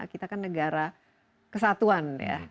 kita kan negara kesatuan